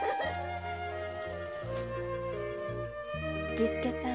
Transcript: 儀助さん。